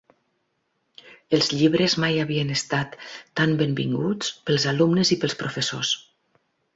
Els llibres mai havien estat tant benvinguts pels alumnes i pels professors.